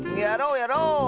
やろうやろう！